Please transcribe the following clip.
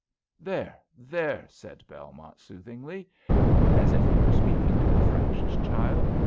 "There! there!" said Belmont, soothingly, as if he were speaking to a fractious child.